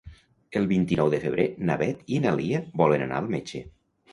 El vint-i-nou de febrer na Beth i na Lia volen anar al metge.